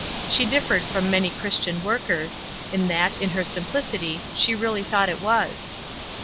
She differed from many Christian workers, in that, in her simplicity, she really thought it was.